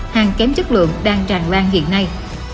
hàng kém chất lượng đang tràn lan hiện nay